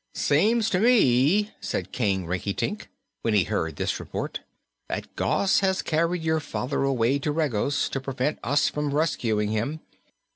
"Seems to me," said King Rinkitink, when he heard this report, "that Gos has carried your father away to Regos, to prevent us from rescuing him.